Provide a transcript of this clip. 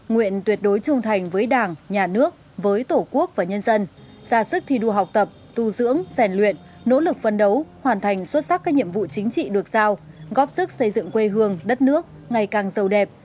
nguyện tuyệt đối trung thành với đảng nhà nước với tổ quốc và nhân dân ra sức thi đua học tập tu dưỡng rèn luyện nỗ lực phân đấu hoàn thành xuất sắc các nhiệm vụ chính trị được giao góp sức xây dựng quê hương đất nước ngày càng giàu đẹp